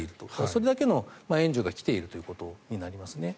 それだけの援助が来ているということになりますね。